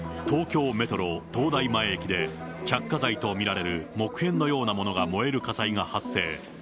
東京メトロ東大前駅で、着火剤と見られる木片のようなものが燃える火災が発生。